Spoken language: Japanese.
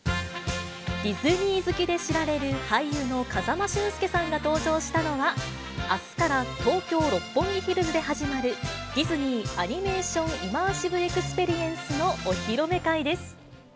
ディズニー好きで知られる俳優の風間俊介さんが登場したのは、あすから東京・六本木ヒルズで始まる、ディズニー・アニメーション・イマーシブ・エクスペリエンスのお披露目会です。